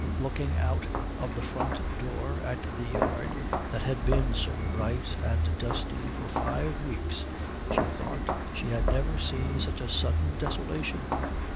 Looking out of the front door at the yard that had been so bright and dusty for five weeks she thought she had never seen such a sudden desolation.